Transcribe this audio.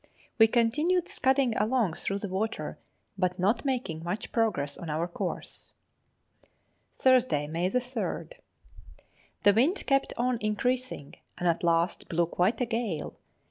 We continued scudding along through the water, but not making much progress on our course. [Illustration: HOMEWARD BOUND.] Thursday, May 3rd. The wind kept on increasing, and at last blew quite a gale.